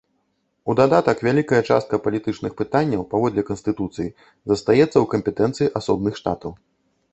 У дадатак, вялікая частка палітычных пытанняў, паводле канстытуцыі, застаецца ў кампетэнцыі асобных штатаў.